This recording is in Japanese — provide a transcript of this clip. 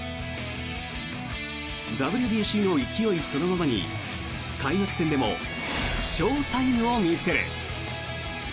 ＷＢＣの勢いそのままに開幕戦でもＳＨＯ−ＴＩＭＥを見せる。